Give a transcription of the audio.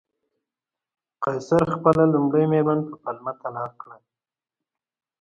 قیصر خپله لومړۍ مېرمن په پلمه طلاق کړه